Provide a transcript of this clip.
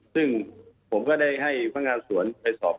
ซึ่งผมก็ได้ให้พนักงานสวนไปสอบ